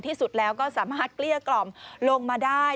ที่สุดแล้วก็สามารถเกลี้ยกล่อมลงมาได้